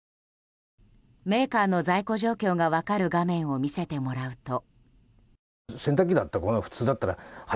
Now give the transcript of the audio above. メーカーの在庫状況が分かる画面を見せてもらうと。